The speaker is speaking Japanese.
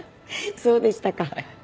そうでしたか。